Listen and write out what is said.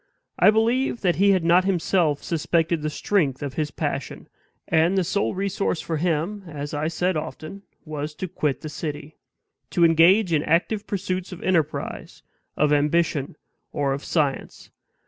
I believe that he had not himself suspected the strength of his passion; and the sole resource for him, as I said often, was to quit the city to engage in active pursuits of enterprise, of ambition, or of science.